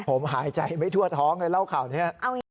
ผมหายใจไม่ทั่วท้องเลยเล่าข่าวนี้